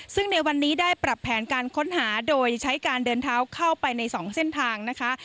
ซึ่งในวันนี้ได้ปรับแผนการค้นหาโดยใช้การเดินเท้าเข้าไปใน๒เส้นทางนะคะ